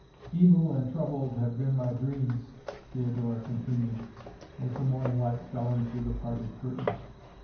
"Evil and troubled have been my dreams," Theodora continued, as the morning light fell in through the parted curtains.